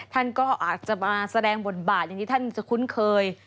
ท่านก็อาจจะมาแสดงบทบาทอย่างที่ท่านจะคุ้นเคย